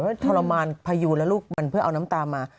เพราะว่าถรมานพยูแล้วลูกมันเพื่อเอาน้ำตามา